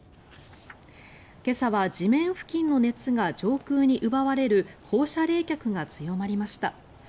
今朝は地面付近の熱が上空に奪われる放射冷却が強まりました。